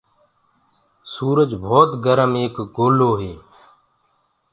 سُرج ڀوت گرم ايڪ لوڪو هي۔